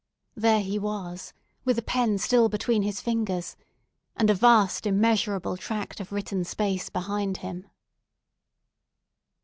There he was, with the pen still between his fingers, and a vast, immeasurable tract of written space behind him!